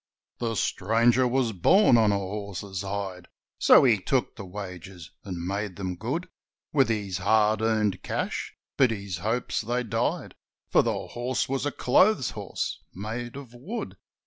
The stranger was born on a horse's hide; So he took the wagers, and made them good With his hard earned cash but his hopes they died, For the horse was a clothes horse, made of wood!